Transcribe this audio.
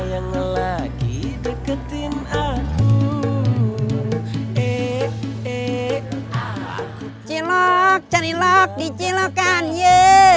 cilok cari lok dicilokan yee